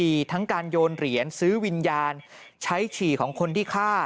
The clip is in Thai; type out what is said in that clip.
หลังจากพบศพผู้หญิงปริศนาตายตรงนี้ครับ